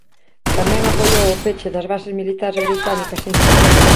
Tamén apoiou o peche das bases militares británicas en Chipre.